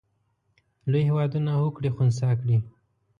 لوی هېوادونه هوکړې خنثی کړي.